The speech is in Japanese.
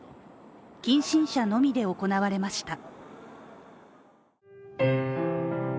近親者のみで行われました。